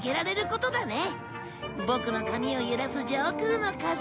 ボクの髪を揺らす上空の風。